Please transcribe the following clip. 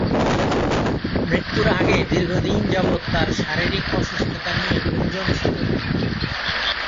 মৃত্যুর আগে দীর্ঘদিন যাবৎ তার শারীরিক অসুস্থতা নিয়ে গুঞ্জন ছিল।